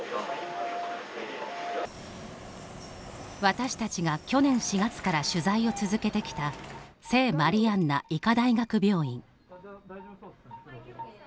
私たちが去年４月から取材を続けてきた聖マリアンナ医科大学病院。